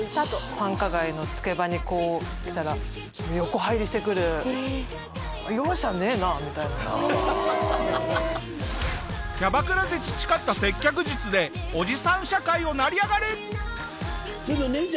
繁華街の付け場にこう来たらキャバクラで培った接客術でおじさん社会を成り上がる！